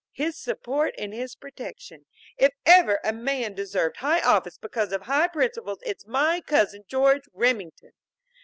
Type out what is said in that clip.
"'His support and his protection.' If ever a man deserved high office because of high principles, it's my cousin George Remington!